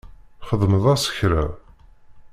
Txedmeḍ-as kra?